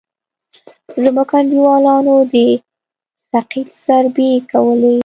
زموږ انډيوالانو د ثقيل ضربې کولې.